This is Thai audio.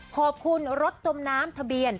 ขอบคุณรถจมน้ำทะเบียน